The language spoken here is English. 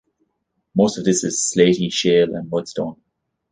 Most of this is slaty shale and mudstone.